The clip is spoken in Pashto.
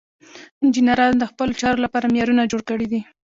انجینرانو د خپلو چارو لپاره معیارونه جوړ کړي دي.